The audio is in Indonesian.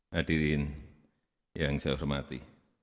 hadirin yang saya hormati